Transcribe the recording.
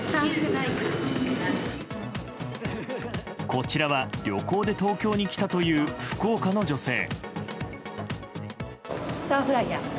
こちらは旅行で東京に来たという福岡の女性。